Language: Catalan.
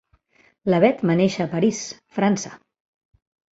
Levet va néixer a París, França.